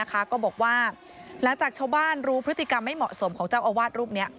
ก็บอกว่าหลังจากชาวบ้านรู้พฤติกรรมไม่เหมาะสมของเจ้าอาวาสรูปนี้